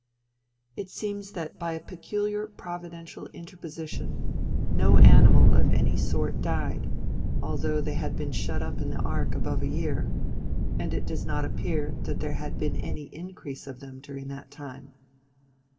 "It seems that by a peculiar providential interposition, no animal of any sort died, although they had been shut up in the ark above a year; and it does not appear that there had been any increase of them during that time.